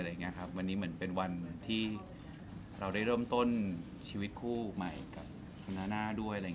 วันนี้เหมือนเป็นวันที่เราได้เริ่มต้นชีวิตคู่ใหม่กับคุณนาน่าด้วย